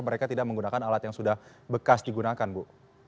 mereka tidak menggunakan alat yang sudah bekas digunakan bu